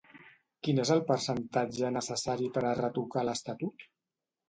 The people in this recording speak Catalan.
Quin és el percentatge necessari per a retocar l'Estatut?